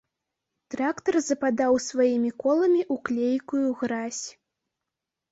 Трактар западаў сваімі коламі ў клейкую гразь.